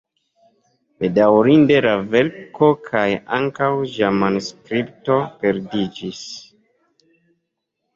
Bedaŭrinde la verko kaj ankaŭ ĝia manuskripto perdiĝis.